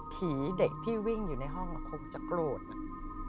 ผีเด็กที่วิ่งอยู่ในห้องคงจะโกรธอะ